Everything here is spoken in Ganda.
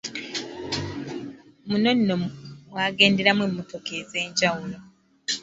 Muno nno mwagenderamu emmmotoka ez’enjawulo.